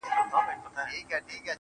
د برزخي ماحول واټن ته فکر وړی يمه